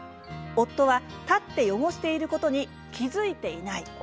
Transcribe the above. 夫は立って汚していることに気付いていない。